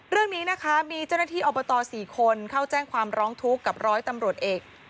เรื่องนี้นะคะมีเจ้าหน้าที่อบต๔คนเข้าแจ้งความร้องทุกข์กับร้อยตำรวจเอก